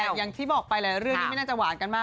แต่อย่างที่บอกไปแหละเรื่องนี้ไม่น่าจะหวานกันมาก